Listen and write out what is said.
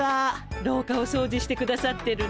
廊下をそうじしてくださってるの？